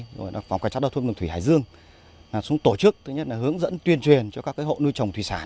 rồi là phòng cảnh sát đạo thương đồng thủy hải dương xuống tổ chức thứ nhất là hướng dẫn tuyên truyền cho các hộ nuôi trồng thủy sản